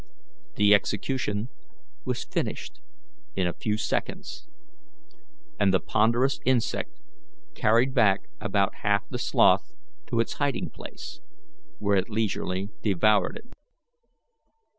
The execution was finished in a few seconds, and the ponderous insect carried back about half the sloth to its hiding place, where it leisurely devoured it.